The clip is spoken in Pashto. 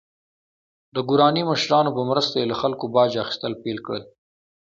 د ګوراني مشرانو په مرسته یې له خلکو باج اخیستل پیل کړل.